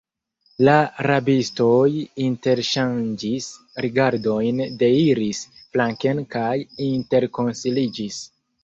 La rabistoj interŝanĝis rigardojn, deiris flanken kaj interkonsiliĝis.